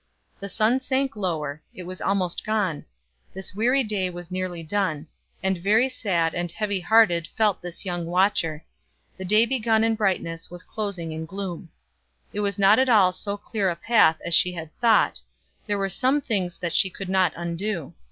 The sun sank lower, it was almost gone; this weary day was nearly done; and very sad and heavy hearted felt this young watcher the day begun in brightness was closing in gloom. It was not all so clear a path as she had thought; there were some things that she could not undo.